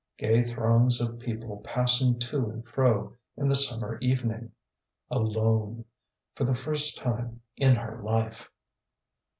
Gay throngs of people passing to and fro in the summer evening. Alone. For the first time in her life.